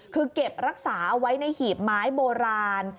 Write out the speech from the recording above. คือเก็บรักษาเอาไว้ในหีบไม้โบราณ